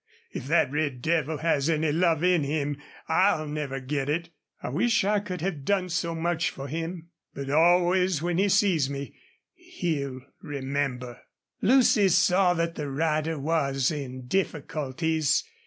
... If that red devil has any love in him I'll never get it. I wish I could have done so much for him. But always when he sees me he'll remember." Lucy saw that the rider was in difficulties.